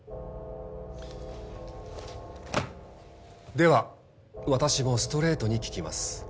では私もストレートに聞きます。